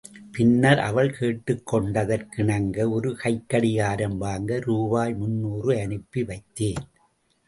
பின்னர் அவள் கேட்டுக் கொண்டதற்கிணங்க ஒரு கைக் கடிகாரம் வாங்க ரூபாய் முன்னூறு அனுப்பி வைத்தேன்.